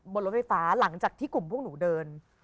บนรถไฟฟ้าหลังจากที่กลุ่มพวกหนูเดิน